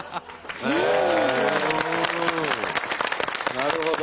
なるほど。